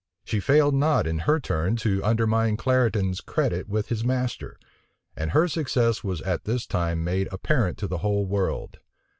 She failed not in her turn to undermine Clarendon's credit with his master; and her success was at this time made apparent to the whole world.